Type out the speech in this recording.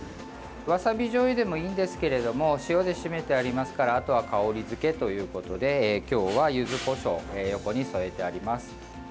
わさびじょうゆでもいいんですけど塩で絞めてありますからあとは香りづけということで今日は、ゆずこしょう横に添えてあります。